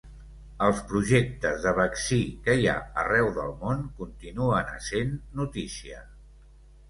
Els projectes de vaccí que hi ha arreu del món continuen essent notícia.